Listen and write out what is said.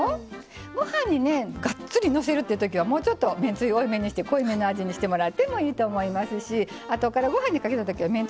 ご飯にがっつりのせるってときはもうちょっとめんつゆ多めに濃いめの味にしてもらってもいいと思いますしあとからご飯にかけたときはめんつゆちょっと足すだけ。